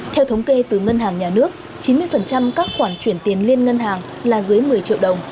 theo thống kê từ ngân hàng nhà nước chín mươi các khoản chuyển tiền liên ngân hàng là dưới một mươi triệu đồng